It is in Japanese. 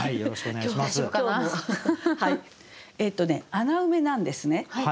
穴埋めなんですね。